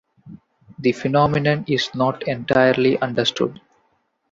The phenomenon is not entirely understood.